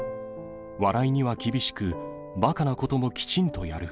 笑いには厳しく、ばかなこともきちんとやる。